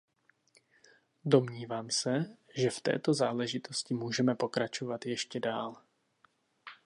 Domnívám se, že v této záležitosti můžeme pokračovat ještě dál.